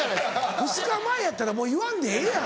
２日前やったらもう言わんでええやん。